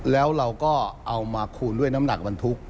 แล้วเราก็เอามาคูณด้วยน้ำหนักบรรทุก